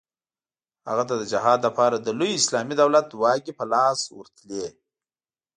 هغه ته د جهاد لپاره د لوی اسلامي دولت واګې په لاس ورتلې.